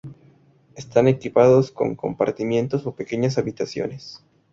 Están equipados con compartimentos o pequeñas habitaciones.